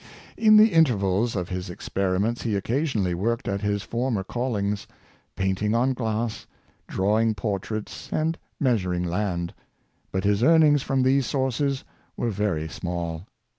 In the intervals of his experiments he occasionally worked at his former callings — painting on glass, drawing portraits, and meas uring land; but his earnings from these sources were very small.